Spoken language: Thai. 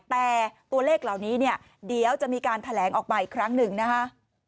แต่ตัวเลขเหล่านี้เนี่ยเดี๋ยวจะมีการแถลงออกมาอีกครั้งหนึ่งนะคะ